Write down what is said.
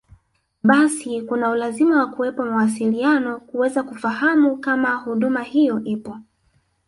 Basi kuna ulazima wa kuwepo mawasiliano kuweza kufahamu kama huduma hiyo ipo